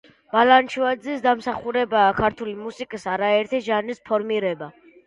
ბალანჩივაძის დამსახურებაა ქართული მუსიკის არაერთი ჟანრის ფორმირება.